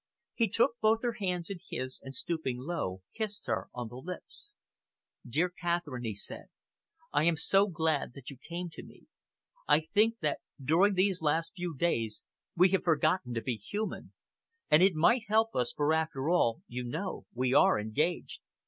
He took both her hands in his, and, stooping down, kissed her on the lips. "Dear Catherine," he said, "I am so glad that you came to me. I think that during these last few days we have forgotten to be human, and it might help us for after all, you know, we are engaged!"